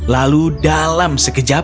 lalu dalam sekejap